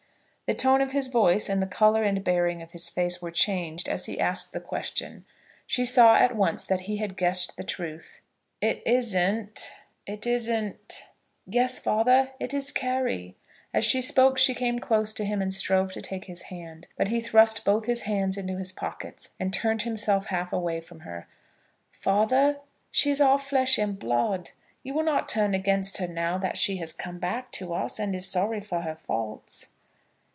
The tone of his voice, and the colour and bearing of his face were changed as he asked the question. She saw at once that he had guessed the truth. "It isn't it isn't ?" "Yes, father; it is Carry." As she spoke she came close to him, and strove to take his hand; but he thrust both his hands into his pockets and turned himself half away from her. "Father, she is our flesh and blood; you will not turn against her now that she has come back to us, and is sorry for her faults."